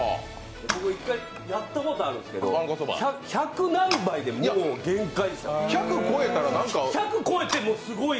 １回やったことあるんですけど、百何杯で限界です。